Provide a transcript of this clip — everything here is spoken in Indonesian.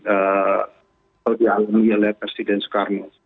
atau dialami oleh presiden soekarno